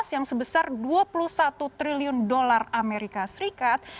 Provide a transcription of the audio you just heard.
yang sebesar dua puluh satu triliun dolar amerika serikat